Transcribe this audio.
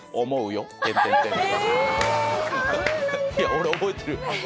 俺覚えてる。